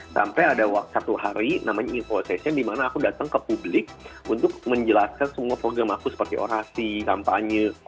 sampai ada satu hari namanya info session di mana aku datang ke publik untuk menjelaskan semua program aku seperti orasi kampanye